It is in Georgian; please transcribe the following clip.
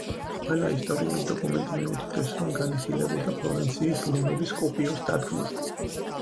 ყველა ისტორიული დოკუმენტი მიუთითებს, რომ განიხილებოდა ფლორენციის ლომების კოპიოს დადგმა.